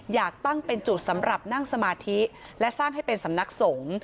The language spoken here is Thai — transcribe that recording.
อยากตั้งเป็นจุดสำหรับนั่งสมาธิและสร้างให้เป็นสำนักสงฆ์